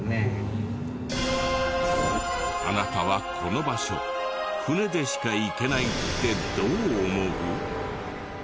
あなたはこの場所船でしか行けないってどう思う？